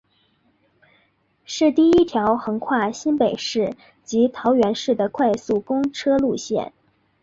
是第一条横跨新北市及桃园市的快速公车路线。